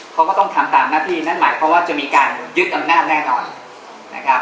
เขาก็ต้องทำตามหน้าที่นั่นหมายความว่าจะมีการยึดอำนาจแน่นอนนะครับ